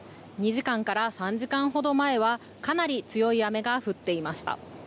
２時間から３時間ほど前はかなり強い雨が降っていました。